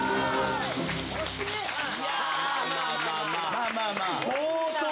まあまあまあ。